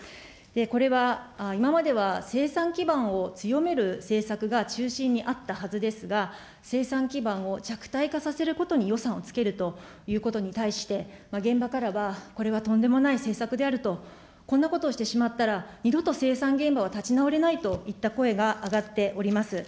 これは今までは生産基盤を強める政策が中心にあったはずですが、生産基盤を弱体化させることに予算をつけるということに対して、現場からはこれはとんでもない政策であると、こんなことをしてしまったら、二度と生産現場は立ち直れないといった声が上がっております。